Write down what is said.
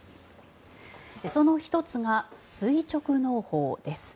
その１つが垂直農法です。